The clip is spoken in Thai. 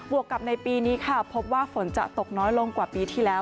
วกกับในปีนี้ค่ะพบว่าฝนจะตกน้อยลงกว่าปีที่แล้ว